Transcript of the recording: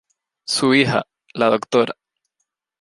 Su hija, la Dra.